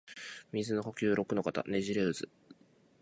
水の呼吸陸ノ型ねじれ渦（ろくのかたねじれうず）